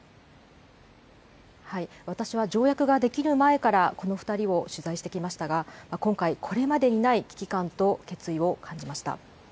私は条約が出来る前からこの２人を取材してきましたが、今回、これまでにない危機感と決意を感じました。